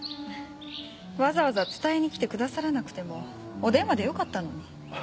わざわざ伝えに来てくださらなくてもお電話でよかったのに。